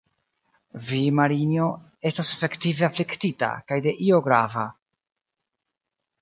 Vi, Marinjo, estas efektive afliktita kaj de io grava.